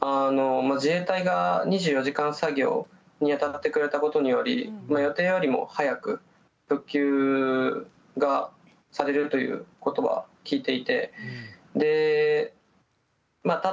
自衛隊が２４時間作業にあたってくれたことによって予定よりも早く復旧がされるということは聞いています。